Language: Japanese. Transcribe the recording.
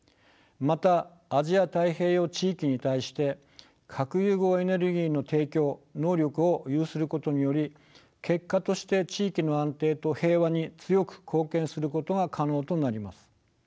またアジア太平洋地域に対して核融合エネルギーの提供能力を有することにより結果として地域の安定と平和に強く貢献することが可能となります。